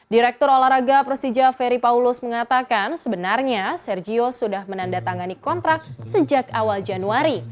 direktur olahraga persija ferry paulus mengatakan sebenarnya sergio sudah menandatangani kontrak sejak awal januari